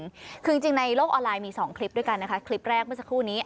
คือจริงในโลกออนไลน์มี๒คลิปด้วยกันนะคะคลิปแรกเมื่อสักครู่นี้